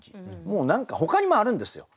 もう何かほかにもあるんですよ。